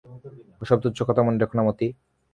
ওসব তুচ্ছ কথা মনে রেখো না মতি।